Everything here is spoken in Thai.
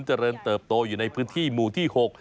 เจริญเติบโตอยู่ในพื้นที่หมู่ที่๖